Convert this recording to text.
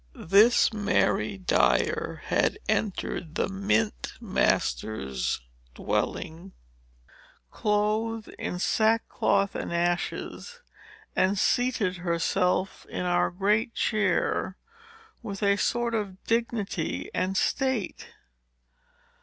This Mary Dyer had entered the mint master's dwelling, clothed in sackcloth and ashes, and seated herself in our great chair, with a sort of dignity and state.